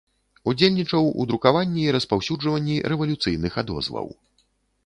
Удзельнічаў у друкаванні і распаўсюджванні рэвалюцыйных адозваў.